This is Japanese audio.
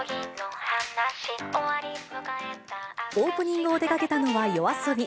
オープニングを手がけたのはＹＯＡＳＯＢＩ。